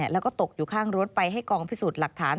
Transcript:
แล้วก็ตกอยู่ข้างรถไปให้กองพิสูจน์หลักฐาน